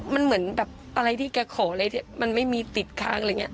มันเหมือนแบบอะไรที่แกขออะไรที่มันไม่มีติดค้างอะไรอย่างนี้